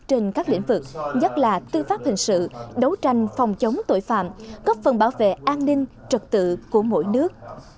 trên các lĩnh vực nhất là tư pháp hình sự đấu tranh phòng chống tội phạm góp phần bảo vệ an ninh trật tự của mỗi nước